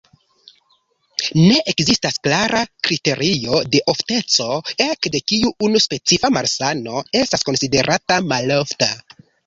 Ne ekzistas klara kriterio de ofteco, ekde kiu unu specifa malsano estas konsiderata malofta.